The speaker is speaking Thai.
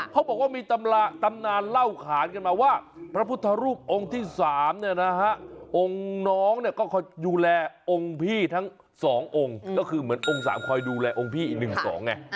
เขาบอกว่ามีตำนานเล่าขานกันมาว่าพระพุทธรูปองค์ที่๓เนี่ยนะฮะองค์น้องเนี่ยก็ดูแลองค์พี่ทั้ง๒องค์ก็คือเหมือนองค์๓คอยดูแลองค์พี่๑๒ไง